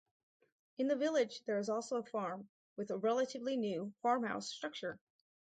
In the village there is also a farm, with a relatively new farmhouse structure.